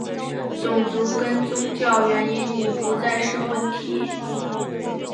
种族跟宗教原因已不再是问题。